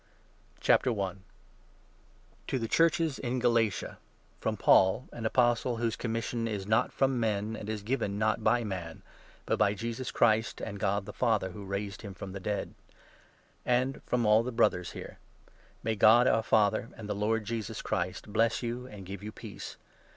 TO THE GALATIANS. I. — INTRODUCTION. To the Churches in Galatia, i Greeting. pROM Paul, an Apostle whose commission is not from men and is given, not by man, but by Jesus Christ and God the Father who raised him from the dead ; AND FROM all the Brothers here. 2 May God, our Father, and the Lord Jesus Christ, bless you 3 and give you peace.